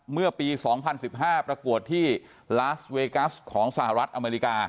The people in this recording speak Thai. เมื่อปี๒๐๑๕ประกวดที่ลาสเวกัสของสหรัฐอเมริกา